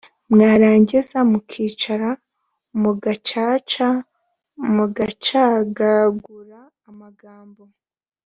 mwarangiza mukicara mu gacaca mugacagagura amagambo